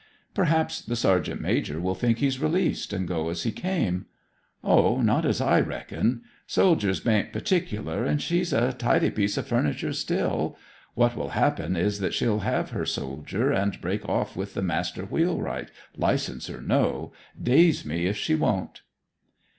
'Perhaps the sergeant major will think he's released, and go as he came.' 'O, not as I reckon. Soldiers bain't particular, and she's a tidy piece o' furniture still. What will happen is that she'll have her soldier, and break off with the master wheelwright, licence or no daze me if she won't.'